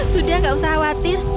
sudah nggak usah khawatir